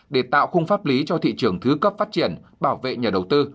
để tạo khung pháp lý cho thị trường thứ cấp phát triển bảo vệ nhà đầu tư